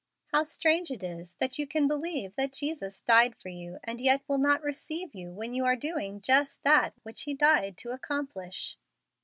How strange it is you can believe that Jesus died for you and yet will not receive you when you are doing just that which He died to accomplish."